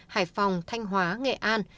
hải phòng thanh hóa nghệ an